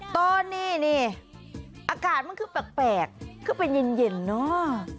ตอนนี้นี่อากาศมันคือแปลกคือเป็นเย็นเนอะ